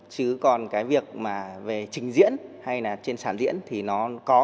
chứ còn cái việc mà về trình diễn hay là trên sản diễn thì nó có